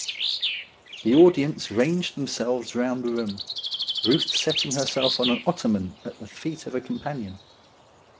The audience ranged themselves round the room, Euth settling herself on an ottoman at the feet of a companion.